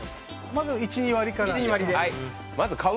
まず１２割から。